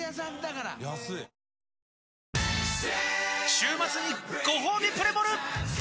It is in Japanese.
週末にごほうびプレモル！